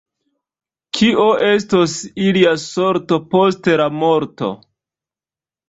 Kio estos ilia sorto post la morto?